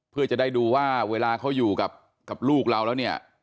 เพื่อจะได้ดูว่าเวลาเขาอยู่กับลูกเราแล้วเนี่ย